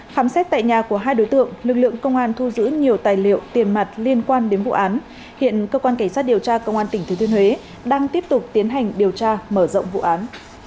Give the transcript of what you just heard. khám xét tại nhà của hai đối tượng lực lượng công an thu giữ nhiều tài liệu tiền mặt liên quan đến vụ án hiện cơ quan cảnh sát điều tra công an tỉnh thứ tuyên huế đang tiếp tục tiến hành điều tra mở rộng vụ án